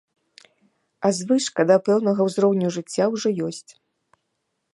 А звычка да пэўнага ўзроўню жыцця ўжо ёсць.